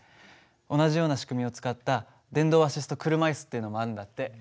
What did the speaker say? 同じような仕組みを使った電動アシスト車椅子っていうのもあるんだって。